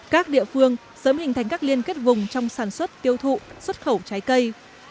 các địa phương sớm hình thành các liên kết vùng trong sản xuất tiêu thụ xuất khẩu trái cây